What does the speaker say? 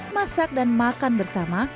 masak dan makan bersama